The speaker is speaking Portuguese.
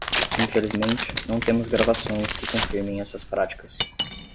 Infelizmente, não temos gravações que confirmem essas práticas.